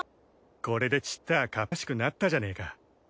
これでちったぁ河童らしくなったじゃねえか。